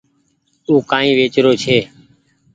او ڪآئي ويچ رو ڇي۔